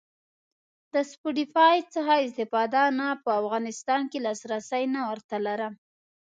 د سپوټیفای څخه استفاده؟ نه په افغانستان کی لاسرسی نه ور ته لرم